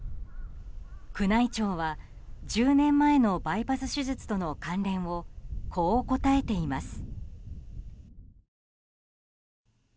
宮内庁は１０年前のバイパス手術との関連をこう答えています。